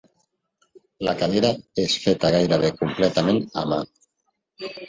La cadira és feta gairebé completament a mà.